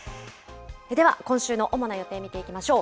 では、今週の主な予定、見ていきましょう。